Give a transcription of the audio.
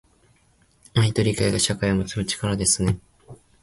愛と理解が、社会を結ぶ力ですね。